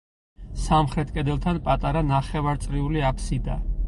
სამხრეთ კედელთან პატარა, ნახევარწრიული აფსიდა.